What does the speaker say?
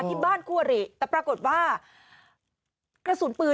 กลุ่มหนึ่งก็คือ